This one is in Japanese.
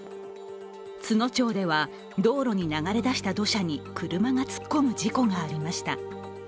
津野町では道路に流れ出した土砂に車が突っ込む事故がありました。